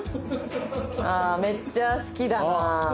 ああめっちゃ好きだな。